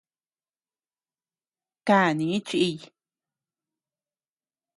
Kani chiy.